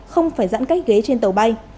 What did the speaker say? không phải giãn cách ghế trên tàu bay